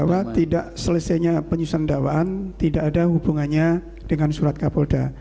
bahwa tidak selesainya penyusunan dakwaan tidak ada hubungannya dengan surat kapolda